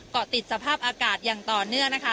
เกาะติดสภาพอากาศอย่างต่อเนื่องนะคะ